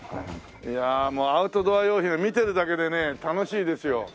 いやアウトドア用品は見てるだけでね楽しいですよ。